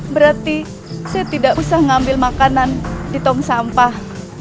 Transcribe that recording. berarti saya tidak usah ngambil makanan di tong sampah